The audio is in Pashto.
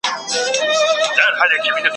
د ګل پر سیمه هر سبا راځمه `